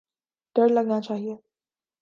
ڈر لگنا چاہیے۔